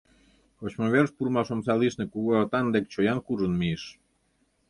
Кочмыверыш пурымаш омса лишне кугу агытан дек чоян куржын мийыш.